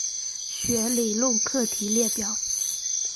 弦理论课题列表。